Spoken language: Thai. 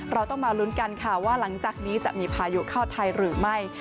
เราต้องมาลุ้นกันค่ะว่าหลังจากนี้จะมีพายุเข้าไทยหรือไม่